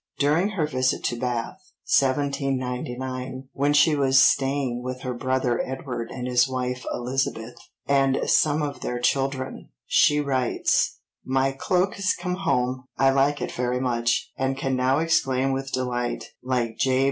During her visit to Bath, 1799, when she was staying with her brother Edward and his wife Elizabeth, and some of their children, she writes— "My cloak is come home, I like it very much, and can now exclaim with delight, like J.